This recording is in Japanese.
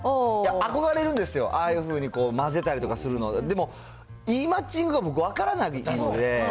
憧れるんですよ、ああいうふうに混ぜたりとかするの、でも、いいマッチングが分からないので。